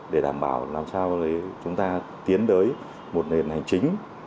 để đảm bảo làm sao chúng ta tiến tới một nền hành chính